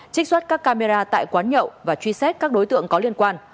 trích xuất các camera tại quán nhậu và truy xét các đối tượng có liên quan